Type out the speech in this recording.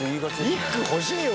一句欲しいよ！